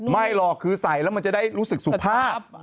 ไม่หรอกคือใส่แล้วมันจะได้รู้สึกสุภาพ